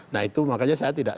nah itu makanya saya tidak